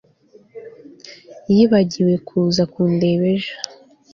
yibagiwe kuza kundeba ejo